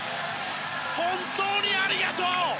本当にありがとう！